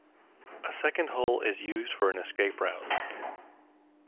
A second hole is used for an escape route.